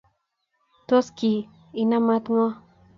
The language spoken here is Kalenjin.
tos ki inaamta ng'o?